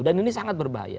dan ini sangat berbahaya